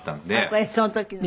これその時の？